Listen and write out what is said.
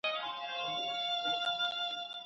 مهربان